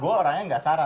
gue orangnya gak saran